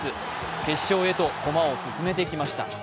決勝へと駒を進めてきました。